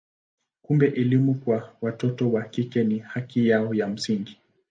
Kumbe elimu kwa watoto wa kike ni haki yao ya msingi.